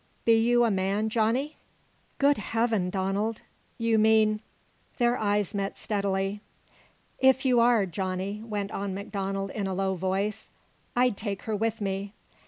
Be you a man, Johnny?" "Good heaven, Donald. You mean " Their eyes met steadily. "If you are, Johnny," went on MacDonald in a low voice, "I'd take her with me.